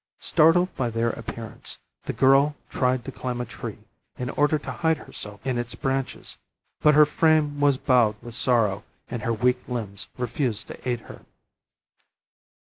Startled by their appearance the girl tried to climb a tree, in order to hide herself in its branches, but her frame was bowed with sorrow and her weak limbs refused to aid her.